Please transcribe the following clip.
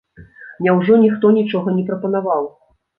Няўжо ніхто нічога не прапанаваў?